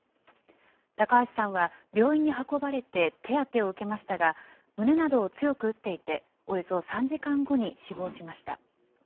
高橋さんは病院に運ばれて手当てを受けましたが、胸などを強く打っていて、およそ３時間後に死亡しました。